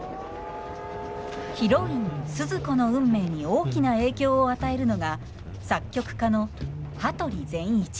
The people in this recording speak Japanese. ヒロインスズ子の運命に大きな影響を与えるのが作曲家の羽鳥善一。